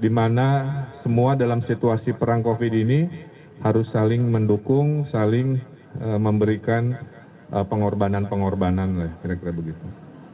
dimana semua dalam situasi perang covid ini harus saling mendukung saling memberikan pengorbanan pengorbanan lah kira kira begitu